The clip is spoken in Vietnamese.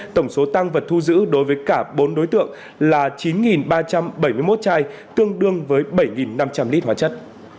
tổng số tăng vật thu giữ đối với cả bốn đối tượng là chín ba trăm bảy mươi một chai tương đương với bảy năm trăm linh lít hóa chất